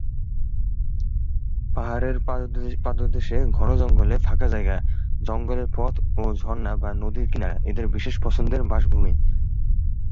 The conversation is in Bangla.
পাহাড়ের পাদদেশে ঘন জঙ্গলে ফাঁকা জায়গা, জঙ্গলের পথ ও ঝর্ণা বা নদীর কিনারা এদের বিশেষ পছন্দের বাসভূমি।